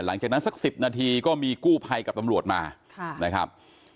หลังจากนั้นสักสิบนาทีก็มีกู้ภัยกับตำรวจมาค่ะนะครับ